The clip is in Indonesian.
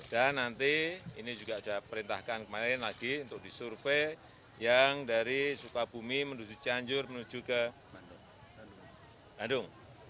dan nanti ini juga sudah saya perintahkan kemarin lagi untuk disurvey yang dari supabumi menuju canjur menuju ke bandung